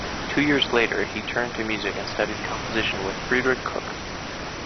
Two years later, he turned to music and studied composition with Friedrich Koch.